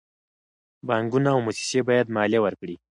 بانکونه او موسسې باید مالیه ورکړي.